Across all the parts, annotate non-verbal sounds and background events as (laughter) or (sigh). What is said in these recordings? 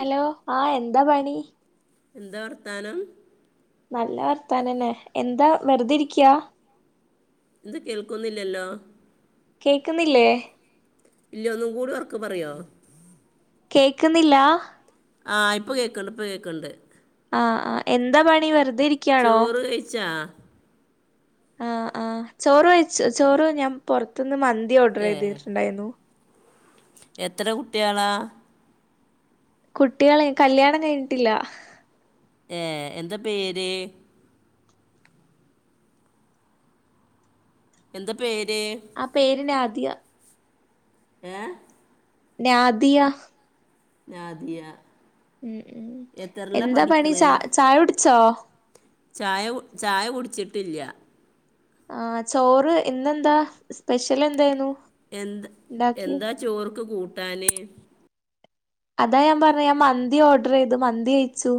Hello ആ എന്താ പണി എന്താ വർത്താനം നല്ല വർത്താനംന്നെ എന്താ വെറുതെ ഇരിക്യാ എന്തും കേൾക്കുന്നില്ലല്ലോ കേൾക്കുന്നില്ലേ ഇല്ല ഒന്നും കൂടി ഒർക്കെപറയോ കേക്കുന്നില്ല ആ ഇപ്പൊ കേക്ക്ണ്ട് ഇപ്പൊ കേക്ക്ണ്ട് ആ ആ എന്താ പണി വെറു ചോറ് കഴിച്ചാ? ആ ആ ചോറ് കഴിച്ചു ചോറ് ഞാൻ പൊറത്തുന്ന് മ ന്തി ഓർഡർ ഏ യ്തിട്ടുണ്ടായിരുന്നു എത്ര കുട്ടിയളാ കുട്ടികൾ കല്യാണം കഴിഞ്ഞിട്ടില്ല ഏ എന്ത പേര് എന്താ പേര് ആ പേരിനെ അദ തിയ ഏ നാദിയ നാദിയ ഉം ഉം എത്രല്ല എന്താ പണി പഠിക്കണേ ചാ ചായ കുടിച്ചോ? ചായ ചായ കുടിച്ചിട്ടില്ല. ആ ചോറ് ഇന്നെന്താ സ്പെഷ്യൽ എന്തായിരുന്നു? എന്ത് ഉണ്ടാക്കിയത് എന്താ ചോർക്ക് കൂട്ട് ട്ടാന് അതാ ഞാൻ പറഞ്ഞെ ഞാൻ മന്തി ഓർഡർ ചെയ്തു മന്തി കയിച്ചു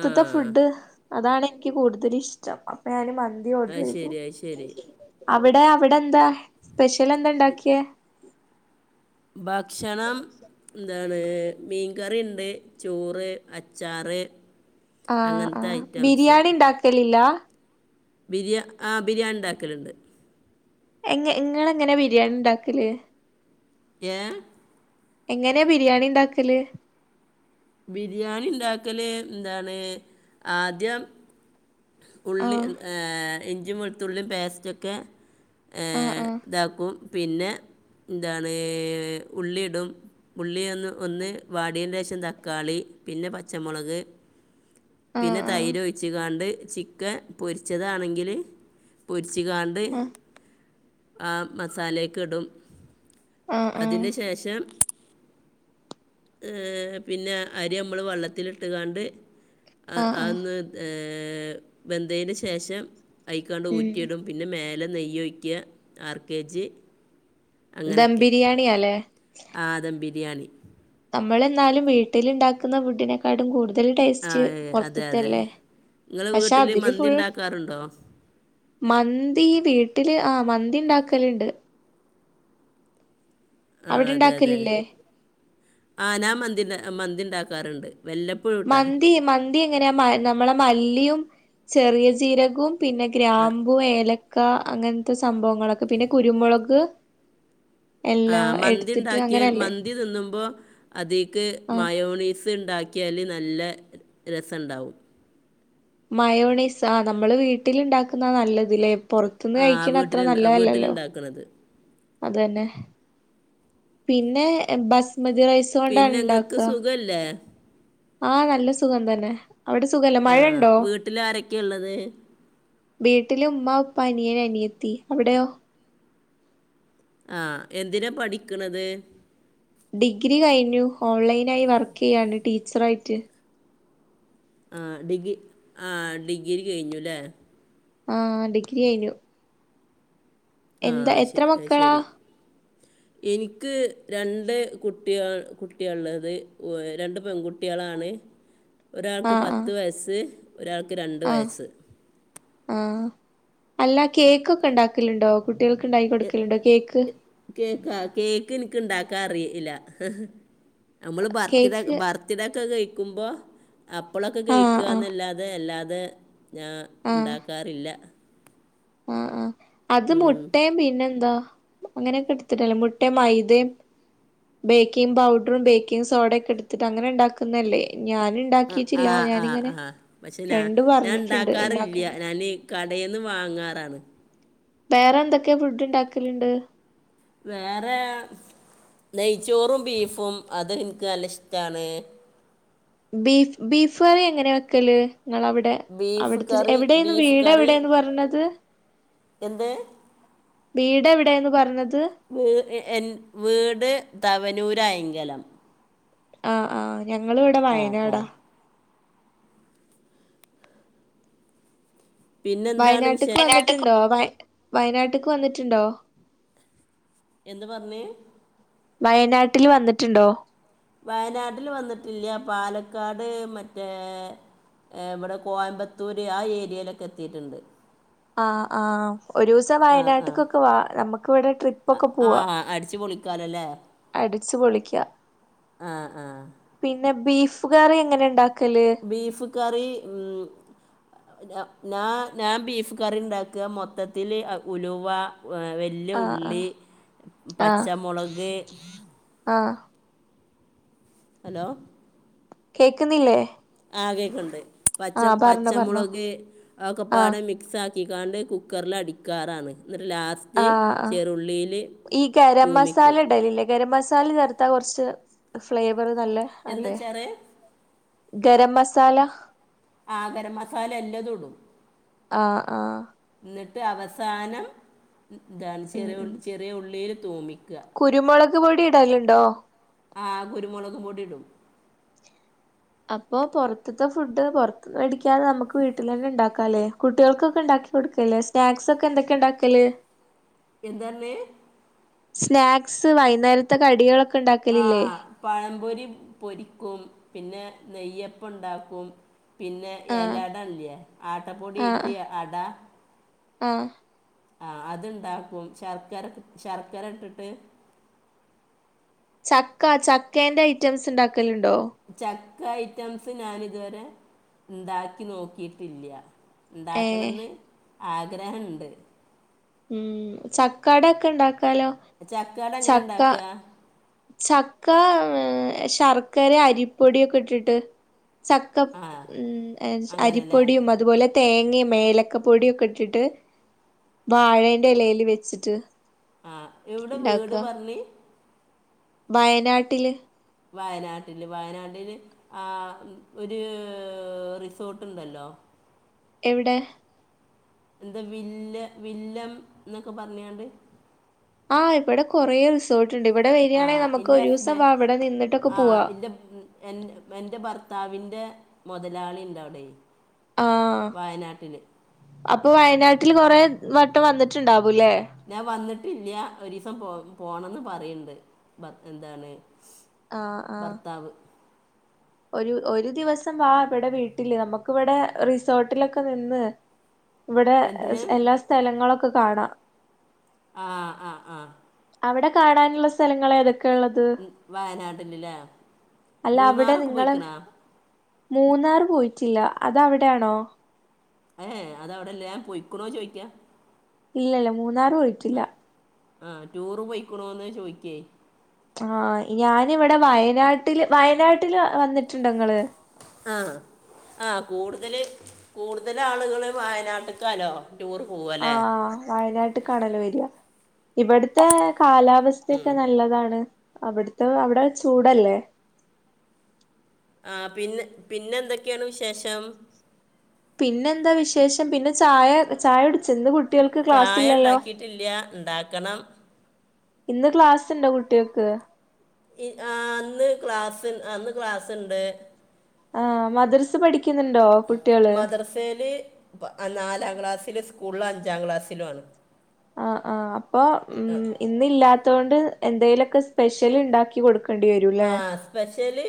ആ ഫുഡ് അതാണ് നിക്ക് കൂടുതലിഷ്ടം അപ്പൊ ഞാന് മൻ അയ്ശെരി അയ്ശെരി അവിടെ അവിടെ എന്താ സ്പെഷ്യൽ എന്താ ഇണ്ടാക്കിയെ ഭക്ഷണം ന്താ എന്താണ് മീൻകറിയുണ്ട് ചോറ് അച്ചാറ് ആഹ് ആ അങ്ങനത്തെ ഐറ്റംസ് ബിരിയാണി ഇണ്ടാക്കലില്ല ബിരിയാ ആ ബിരിയാണി ഇണ്ടാക്കലുണ്ട് എങ്ങ് ഇങ്ങളെങ്ങനെ ബിരിയാണി ഇണ്ടാക്കല് ഏ എങ്ങനെയാ ബിരിയാണി ഇണ്ടാക്കല് ബിരിയാണി ഇണ്ടാക്കല് എന്താണ് ആദ്യം ഉളളി ആഹ് എൻ ഏ ഇഞ്ച് ഇഞ്ചിയും വെളുത്തുള്ളിം പേസ്റ്റൊക്കെ ആഹ് ഏഹ് ആഹ് ഇതാക്കും പിന്നെ എന്താണ് ഉള്ളി ഇടും ഉള്ളി ഒന്ന് ഒന്ന് വാടിയേൻ്റെശം തക്കാളി പിന്നെ പച്ചമുളക് ആഹ് പിന്നെ തൈര് ഒയിച്ച്ങ്ങാണ്ട് ചിക്കൻ പൊരിച്ചതാണെങ്കിൽ പൊരിച്ച് ച്ചികാണ്ട് ആഹ് ആ മസാലേക്ക് ഇടും ആഹ് ആഹ് ആഹ് അതിന് ശേഷം ഏഹ് പിന്നെ അരി നമ്മള് വെള്ളത്തിട്ട്കാണ്ട് ആ ആഹ് ആ ആഹ് ഒന്ന് ഏ (inaudible) വെന്തേന് ശേഷം അയിക്കാണ്ട് ഉം ഊറ്റിടും പിന്നെ മേലന്ന് നെയ്യോയ്ക്കാ ആർ കെ ജി ദം അങ്ങനെയൊക്കെ ബിരിയാണിയാല്ലേ ആ ദംബിരിയാണി നമ്മൾ എന്നാലും വീട്ടിൽ ഉണ്ടാക്കുന്ന ഫുഡിനെക്കാട്ടും കൂടുത ല് ആ ടേസ്റ്റ് അതെ അതെ പൊറത്തത്തല്ലേ നിങ്ങൾ പക്ഷെ വീട്ടിൽ അതില് മന്തി ഫുൾ ഉണ്ടാക്കാറുണ്ടോ മന്തി വീട്ടില് ആ മന്തി ഉണ്ടാക്കലുണ്ട് ആ അവിടെ അതെ അതെ ഇണ്ടാക്കലില്ലേ ആനാ മന്തി മന്തി ഉണ്ടാക്ക ക്കറുണ്ട് മന്തി മന്തി എങ്ങനെയ മ നമ്മളെ മല്ലിയും ചെറിയ ജീരകവും പിന്നെ ആ ഗ്രാമ്പു ഏല ക്ക അങ്ങനത്തെ സംഭവങ്ങളൊക്കെ പിന്നെ കുരുമുളക് ആ എല്ലാം മന്തി എടുത്തിട്ട് ഉണ്ടാക്കിയാൽ അങ്ങനല്ലേ മന്തി തിന്നുമ്പോ അതിീക്ക് ആ മയോണീസ് ഉണ്ടാക്കി മുക്കിയാൽ നല്ല രസമുണ്ടാവും മയോണിസ് ആ് നമ്മള് വീട്ടിൽുണ്ടാക്കുന്ന നല്ലതില്ലേ പുൊറത്തുന്ന് ആ കഴിക്കണ അത്ര വീട്ടിലുണ്ടാ നല്ലതല്ലല്ലോ വീട്ടിലുണ്ടാക്കണത് അതന്നെ പിന്നെ ബസ് ബസ്മതി റൈസ് പിന്നെ കൊണ്ടാണ് നിങ്ങൾക്ക് ഉണ്ടാക്കുക സുഖമല്ലേ ആഹ നല്ല സുഖം തന്നെ അവിടെ സുഖല്ലേ മഴ ആഹ ഉണ്ടോ വീട്ടിൽ ആരൊക്കെയ ഉള്ളത് വീട്ടില ഉമ് ഉപ്പ അനിയന അനിയെത്തി അവിടെയോ ആഹ എന്തിനാ പഠിക്കണത് ഡിഗ്രി കഴിഞ്ഞു ഓൺലൈന ആയി വർക്ക് ചെയ്യാണ് ടീച്ചർയിട്ട് ആ ഡിഗി ആഹ ഡിഗ്രി കഴിഞ്ഞുല്ലേ ആഹ ഡിഗ്രി ആയിനു ആ എന്താ എത്ര ശ- മക്കളാ ശരി എനിക്ക് രണ്ട് കുട്ടി കുട്ടിയള്ളത് രണ്ട് പെൺകുട്ടികളാണ് ഒരാൾക്ക് ആഹ് പത്ത് ആഹ് വയസ് ഒരാൾക്ക് രണ്ട് ആഹ് വയസ്സ് ആഹ് അല്ല കേക്കൊക്കെ ഉണ്ടാക്കലുണ്ടോ കുട്ട കുട്ടികൾക്ക് ഉണ്ടായി കൊടുക്കലണ്ടോ കേക്ക് ഇണ്ടാക്കാ അറില്ല നമ്മള് ഭർത്തി കേക്ക് ഭർത്തിട ഒക്കെ കഴ ിക്കുംബ അപ്പോളൊക്കെ ആഹ് ആഹ് കഴിക്കുകന്നല്ലാതെ അല്ലാത അത ഞാൻ ഉണ്ടാക്കാറില്ല ആഹ ആ അത് ഉം. മുട്ടയും പിന്നെ എന്താ അങ്ങനെയൊക്കെ എടുത്തിട്ടല്ലേ മുട്ടയും മൈദയും ബേക്കിംഗ് പൗഡറും ബേക്കിങ് സോഡ ഒക്കെ എടുത്തിട്ട് അങ്ങനെ ഉണ്ടാക്കുന്നല്ലേ ഞാൻ ആ ആ ഉണ്ടാക്കിയിട്ടില്ല ആഹ് ഞാനിങ്ങനെ ആ പക്ഷെ ഞാ ഫ്രണ്ട് ഞാൻ പറഞ്ഞിട്ടുണ്ട് ഉണ്ടാക്കാറില്ല ഉണ്ടാക്കണ്ട് ഞാാന് ക കടേന്ന് വാങ്ങാറാണ് വേറെ എന്തൊക്കെയ ഫുഡ് ഉണ്ടാക്കലുണ്ട് വേറെ നെയ്ച്ചോറും ബീഫും അത എനിക്ക് നല്ല ഇഷ്ടാണ് ബീഫ് ബീഫ് കറി എങ്ങനെയാ വെക്കല് നിങ്ങളവിടെ ബീഫ് അവിടുത്തെ കറി എവിടെയന്ന് ബീഫ് വീട് കറി എവിടെന്ന് പറഞ്ഞത് എന്ത് വീട് എവിടെന്ന് പറഞ്ഞത് ങ് ങ് എൻ വീട് തവനൂ പായങ്കലം ആഹ് ആഹ് ഞങ്ങള് ഇവിടെ ആ വയനാടാ പിന്നെന്താണ് വയനാട്ടക്ക് വിശേഷം വന്നിട്ടുണ്ടോ വ വയനാട്ടക്ക് വന്നിട്ടുണ്ടോ എന്ത് പറഞ്ഞേ വയനാട്ടിൽ വന്നിട്ടുണ്ടോ വയനാട്ടില് വന്നിട്ടില്ല പാലക്കാട് മറ്റേ ഇവിടെ കോയമ്പത്തൂര് ആ ഏരിയയിലൊക്കെ എത്തിട്ടുണ്ട് ആഹ് ആ ഒരു ദിവസം ആ വയനാട്ടക്കൊക്കെ വാ നമുക്ക് ഇവിടെ ആ, ട്രിപ്പൊക്കെ ആ പോവാ അടിച്ച് പൊളിക്കാലല്ലേ അടച്ച് പൊളിക്ക ആ ആ പി പിന്നെ ബീഫ് കറി എങ്ങനെ ഇണ്ടാ ബീഫ് കറി ഉം ഞാൻ ഞാൻ ബീഫ് കറി ഉണ്ടാക്കുക മൊത്തത്തിൽ ഉലുവ വലിയ ആഹ് ഉള്ളി ആഹ് ആഹ് പച്ചമുളക് ആഹ് ഹലോ കേക്കുന്നില്ലേ ആകെക്ക്ണ്ട് പച്ച ആഹ് പറഞ്ഞോ പറഞ്ഞോ പച്ചമുളക് ആതോക്കപ്പാട ആഹ് മിക്സ് ആക്കി ആക്കിക്കാണ്ട് കുക്കറിലടിക്കാറാണ് ആഹ് ആ ഈ ഗരമസാല തൂമിക്കും ഇടലില്ലേ ഗരമസാ ചേർത്താ കൊറ്ച്ച് ഫ്ലേ റി നല്ല എന്താ അല്ലേ വെച്ചാൽ ഗരമസാല ആ ഗരമസാല എല്ലതുടും ആഹ് ആഹ് എന്നിട്ട് അവസാനം ഇതാണ് ഉം ചെറിയ ഉം ചെറിയ ഉള്ളീല് (unintelligible) കുരുമുളക് പൊടി ഇടല്ണ്ടോ ആ കുരുമുളകും പൊടി ഇടും അപ്പൊ പുറത്ത്ത്തെ ഫുഡ് പൊറത്ത്ന്ന് മേടിക്കാതെ നമുക്ക് വീട്ടിൽ തന്നെ ഇണ്ടാക്കല്ലേ കുട്ടികൾക്കൊക്കെ ഉണ്ടാക്കി കൊടുക്കല്ലേ സ്നാക്സ് ഒക്കെ എന്തൊക്കെ ഉണ്ടാക്കിയല് (unintelligible) സ്നാക്സ് വൈന്നേരത്തെ കടികളൊക്കെ ഇണ്ടാക്കലില്ലേ ആഹ പഴംപൊരി പൊരിക്കും പിന്നെ നെയ്യപ്പണ്ടാക്കും പിന്നെ ആഹ് എലടല്ല്യെ ആട്ടപ്പൊടിയേറ്റ് അട ആഹ ആ അത്ണ്ടാക്കും ശർക്കര ശർക്കര ഇട്ടിട്ട് ചക്ക ചക്കേന്റെ ഐറ്റംസ് ഉണ്ടാക്ക ചക്ക ഐറ്റംസ് ഞാനിതുവരെ ഉണ്ടാക്കി നോക്കീട്ടില്ല്യ ഏഹ് ഉണ്ടാക്കണന്ന് ആഗ്രഹണ്ട് ഉം ചക്കാട ഒക്കെ ഇണ്ട ചക്കട എങ്ങനെ ഇണ്ടാക്ക ചക്ക ശർക്കരെ അരിപ്പൊടിയൊക്കെട്ട്ട്ട് ചക്ക ആ ഉമ് അങ്ങനെ അല്ലേ അരിപ്പൊടിയും അതുപോലെ തേങ്ങയും ഏലക്ക പൊടിയും ഒക്കെ ഇട്ടിട്ടു വാഴേന്റെ ഇലേൽ വെച്ചിട്ട് ആഹ എവിടെ വീട് ഉണ്ടാക്കുക പറഞ്ഞ് വയനാട്ടില് വയനാട്ടില് വയനാട്ടില് ആ ഒരു റിസോർട്ട്ണ്ടല്ലോ എവിടെ എന്താ വില്ല വില്ലം ന്നൊക്കെ പറഞ്ഞാണ്ട് ആഹ് ഇവിടെ കൊറെ റിസോർട്ട് ഉണ്ട് ഇവിടെ ആ് വരികയാണെങ്കിൽ നമുക്ക് എറെ ഒരു ദിവസം ഹസ്ബൻഡ വാ ഇവിടെ നിന്നിട്ടൊക്കെ ആ പോവാ എറെ എ എന്റെ ഭർത്താവിന് (unintelligible) മുതലാളി ഉണ്ടവിടെ ആഹ അപ്പൊ വയനാട്ട വീട്ടിൽ കുറെേ വട്ടം വന്നിട്ടുണ്ടാവും ഞാൻ വന്നിട്ട് ഇല്ലിയാ ഒരു ദിവസം പോ പോണംെന്ന് പറയണ്ട് എന്താണ് ആഹ ആഹ ഭർത്താവ് ഒരു ഒരു ദിവസം വാ ഇവിടെ വീട്ടില് നമുക്ക് ഇവിടെ റിസോർട്ടിലൊക്കെ നിന്ന് ഇവിടെ എന്ത് എല്ലാ സ്ഥലങ്ങളും പ്പ കാണാ ആഹ് ആഹ് ആഹ് അവിടെ കാണാന്ള്ള സ്ഥലങ്ങളേതൊ മ് വയനാട്ടില്ല്ല്ലെ അല്ല അവിടെ മൂന്നാറൊക്കെ പോയി നിങ്ങള് ക്ക്ണോ മൂന്നാർ പോയിട്ടില്ല അതവ്ടെണോ ഏ അതവിടല്ല ഞാൻ പൊയ്ക്ക്ണോ ചോയ്ക്കാ ഇല്ല ഇല്ല മൂ ന്നാറ് പോയ്ട്ടില്ല ആ ടൂറ് പോയിക്കുണോന്ന് ചോയിക്കേ ആ ഞാനിവിടെ വയനാട്ടില് വയനാട്ടില് വന്നിട്ടുണ്ടോങ്ങള് ആ ആ കൂടുതല് കൂടുതലാളുകള് വായനാട്ട്ക്കാലോ ആ വയനാട്ട്ക്കാണല്ലൊ വര്യാ ഇവിടുത്തെ ഉം. കാലാവസ്ഥൊക്കെ നല്ലതാണ് അവിടുത്തെ അവിടെ ചൂടല്ലേ ആ പിന്നെ പിന്നെന്തൊക്കെയാണ് വിശേഷം പിന്നെന്താ വിശേഷം പിന്നെ ചായ ചായുട്ച്ചോ ഇന്ന് കു ചായ ഇണ്ടാക്കിട്ടില്ല ഇണ്ടാക്കണം ഇന്ന് ക്ലാസ്സുണ്ടോ കുട്ട്യള്ക്ക് ഈ ആ ഇന്ന് ക്ലാസ്സ് ആ ഇന്ന് ക്ലാസ്സ്ണ്ട് ആ മദ്രസ് പഠിക്കുന്നുണ്ടോ കുട്ട്യെള് ത്തിലെ സ്കൂള്ല് അഞ്ചാ ക്ലാസിലു ആണ് ആ ആഹ് അപ്പൊ ഉം ഇന്നില്ലാ ത്തോണ്ട് എന്തേലൊക്കെ സ്പെഷ്യലുണ്ടാക്കി കൊടു ആ സപെഷ്യല്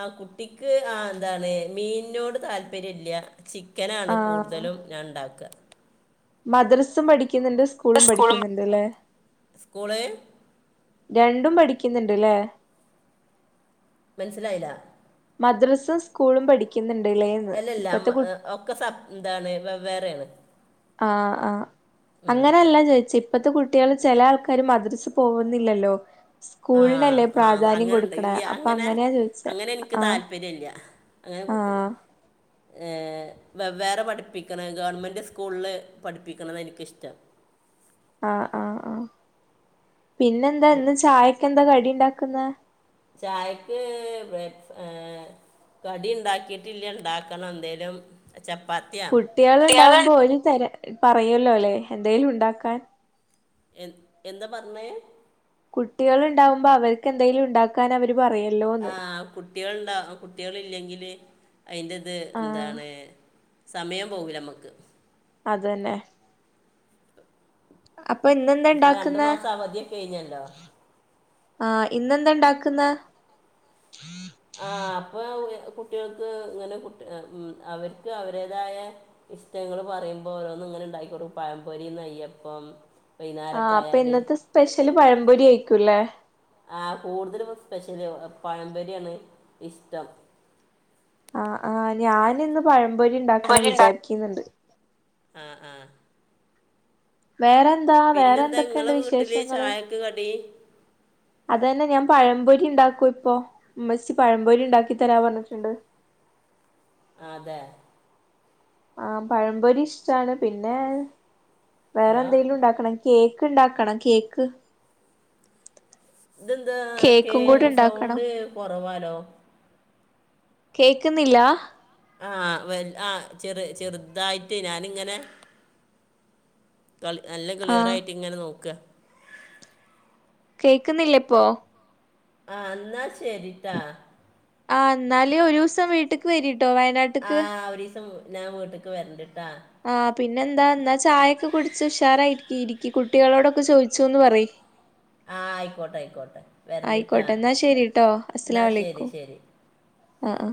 ആ കു ട്ടിക്ക് ആ എന്താണ് മീനോട് താല്പര്യല്ല ചിക്കനാണ് ആഹ് കൂടുതലും ഞാൻ ഇണ്ടാക്ക മദ്രസും പഠി ക്കുന്നുണ്ട് സ്കൂളും പഠിക്കുന്നുണ്ട്ല്ലേ സ്കൂള് രണ്ടും പഠിക്കിന്ന്ണ്ട്ല്ലേ മന്സ്സിലായില്ല മദ്രസും സ്കൂളും പഠിക്കിന്ന് എല്ലല്ല നമ്മ ഒക്കെ സ ന്താണ് വെവ്വേറേണ് ആ ആ അങ്ങനെയല്ലാഞ്ഞാ ചോയിച്ചേ ഇപ്പത്തെ കുട്ട്യേള് ചെല ആള്ക്കാര് മദ്രസ പോവുന്നില്ലല്ലോ ആ ആ അങ്ങനെണ്ട് അപ്പൊ അങ്ങനെ അങ്ങനെയാ ചോയിച്ചെ അങ്ങനെ എനിക്ക് ആഹ് താല്പര്യല്ല അങ്ങനെ കുട്ടി ആഹ് ഏ വേറെ പഠിപ്പിക്കണം ഗവണ്മെന്റ് സ്കൂളിൽ പഠിപ്പിക്കണത എനിക്കിഷ്ടം ആഹ് ആ ആ പിന്നെ എന്താ ഇന്ന് ചായക്കെ എന്താ കടി ഇണ്ടാക്ക വേക്കുന്നെ ചായക്ക് വേ ഏ കടി ഉണ്ടാക്കിട്ടില്ല ഉണ്ടാക്കണം എന്തേലും ചപ്പാത്തിയാ കുട്ടികൾ ഉണ്ടാവുമ്പോ കുട്ടികളുണ്ട് ഒരു തരം പറയല്ലോ അല്ലെ എന്തേലും ഉണ്ടാക്കാൻ എ എന്താ പറഞ്ഞേ കുട്ടികൾ ഉണ്ടാവുമ്പോ അവർക്ക്ന്തെലും ഉണ്ടാക്കാന് അവ ആ കുട്ടികൾണ്ടാവ കുട്ടികൾ ഇല്ലെങ്കില് അയിന്റേത് ആഹ് എന്താണ് സമയം പോകൂല്ല നമുക്ക് അതന്നെ അപ്പൊ ഇന്നെന്താ ഇപ്പൊ രണ്ടു ഇണ്ടാക്കുന്നെ മാസം അവധിയൊക്കെ കഴിഞ്ഞല്ലോ ആ ഇന്നെന്തണ്ടാക്കുന്നെ ആ അപ്പൊ കുട്ടികൾക്ക് ഇങ്ങനെ മൂ ആ അവർക്ക് അവരുേതായ ഇഷ്ടങ്ങൾ പറയുമ്പോൾ ഓരോന്നും ഇങ്ങനെ ഉണ്ടാക്കൊടുക്കും പഴംപൊരി നെയ്യപ്പം ആ വൈകുന്നേരമൊക്കെ അപ്പൊ ആയാൽ ഇന്നത്തെ സ്പെഷ്യല് പഴംപൊടി ആയിരീ ക്കിലേ ആ കൂടുതലും സ്പെഷ്യല് പഴപൊരിണ് ഇഷ്ടം ആ ആ ഞാനിന്ന് പഴ പൊരി ഉണ്ടാക്കണം വിചാരിക്കുന്നുണ്ട് ആ ആ വേറെന്താ വേറെ പിന്നെന്താ എന്തൊക്കെയണ്ട് നിങ്ങളെ വീട്ടിൽ വിശേഷങ്ങള് ചായക്ക് കടി അത് തന്നെ ഞാൻ പഴപൊരി ഉണ്ടാക്കോ ഇപ്പൊ ഉമ്മസി പഴമ്പല ഉണ്ടാക്കി തരാ പറഞ്ഞിട്ടുണ്ട് അതെ ആ പഴംപൊരി ഇഷ്ടാണ് പിന്നെ വേറെ ഹലോ എന്തെലും ഉണ്ടാക്കണം കേക്ക് ഇണ്ടാക്കണം കേക്ക് ഇതന്താ കേ കേക്കും കൂടി ഉണ്ടാക്കണം സൗണ്ട് കുറവാലോ കേക്കുന്നില്ല ആ വേ ആ ചെറു ചെറുതായിട്ട് ഞാനിങ്ങനെ നല്ല ആഹ് ക്ലിയറയിട്ട് ഇങ്ങനെ നോക്ക കേക്കുന്നില്ലേ ഇപ്പോ ആ എന്നാ ശരിട്ടാ ആ എന്നാല് ഒരുസം വീട്ടേക്ക് വേരി ട്ടോ ആ വയനാട്ട്ക്ക് ഒരു ദിവസം ഞാൻ വീട്ട്ക്ക് വെര്ന്റ് ആ പിന്നെന്താ എന്നാ ചായയൊക്കെ കുടിച്ച് ഉഷാറായിരി ഇരിക്കി കുട്ടികളോടൊക്കെ ചോദിച്ചുന്ന് പറയ് ആ ആയിക്കോട്ടെ ആയിക്കോട്ടെ വരണ്ടിട്ടാ ആയിക്കോട്ടെ എന്നാ ശരിട്ടോ എന്നാ ശരി ശരി ആ ആ